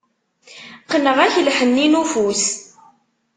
Qqneɣ-ak lḥenni n ufus.